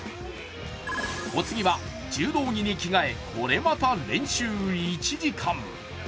お次は柔道着に着替え、これまた練習１時間。